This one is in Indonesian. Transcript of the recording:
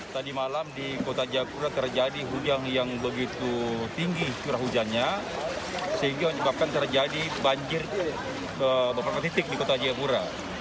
tadi malam di kota jayapura terjadi hujan yang begitu tinggi curah hujannya sehingga menyebabkan terjadi banjir ke beberapa titik di kota jayapura